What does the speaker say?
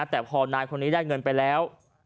แต่พอนายคนนี้ได้เงินไปแล้ว